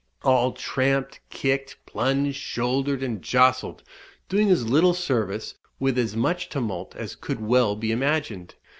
All tramped, kicked, plunged, shouldered, and jostled, doing as little service with as much tumult as could well be imagined.